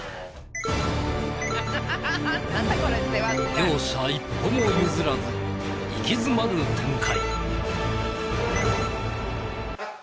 両者一歩も譲らず息詰まる展開。